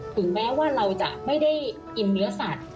ถึงแม้ว่าเราจะไม่ได้กินเนื้อสัตว์